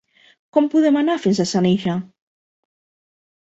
Com podem anar fins a Senija?